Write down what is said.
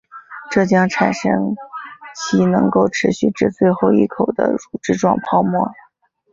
这将产生其能够持续至最后一口的乳脂状泡沫。